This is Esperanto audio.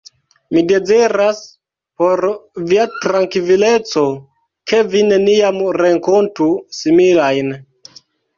Mi deziras, por via trankvileco, ke vi neniam renkontu similajn.